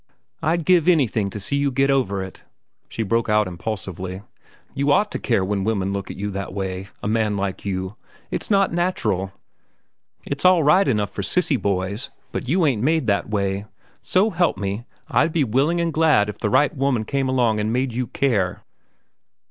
"I'd give anything to see you get over it," she broke out impulsively. "You ought to care when women look at you that way, a man like you. It's not natural. It's all right enough for sissy boys. But you ain't made that way. So help me, I'd be willing an' glad if the right woman came along an' made you care."